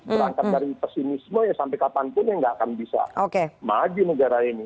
berangkat dari pesimisme ya sampai kapanpun yang nggak akan bisa maju negara ini